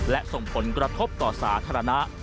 และส่งผลกระทบต่อสาธารณะ